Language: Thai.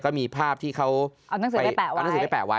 ก็มีภาพที่เขาเอานังสือไปแปะไว้